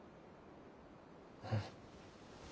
うん。